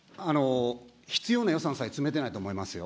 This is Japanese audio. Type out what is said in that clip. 必要な予算さえ詰めてないと思いますよ。